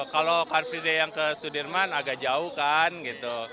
kalau car free day yang ke sudirman agak jauh kan gitu